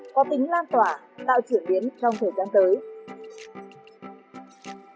có tính lan tỏa tạo chuyển biến trong thời gian tới